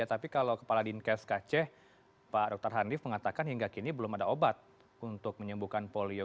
tapi kalau kepala dinkes kc pak dr handif mengatakan hingga kini belum ada obat untuk menyembuhkan polio